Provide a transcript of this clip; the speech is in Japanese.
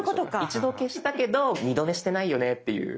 一度消したけど二度寝してないよねっていう。